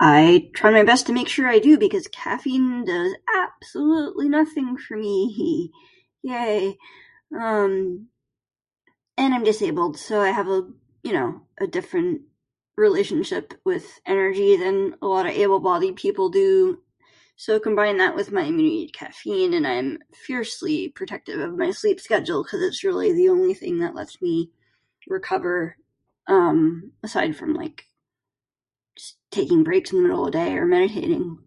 I try my best to make sure I do because caffeine does absolutely nothing for me... yay! Um, and I'm disabled so I have a, you know, a different relationship with energy than a lot able-bodied people do. So, combine that with my immunity to caffeine and I'm fiercely protective of my sleep schedule, cuz it's really the only thing that lets me recover, um, aside from, like, taking breaks in the middle of the day, or meditating.